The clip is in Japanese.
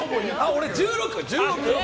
俺１６！